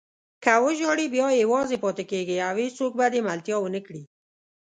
که وژاړې بیا یوازې پاتې کېږې او هېڅوک به دې ملتیا ونه کړي.